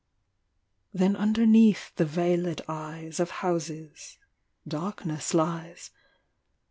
Then underneath the veiled eyes Of houses, darkness lies.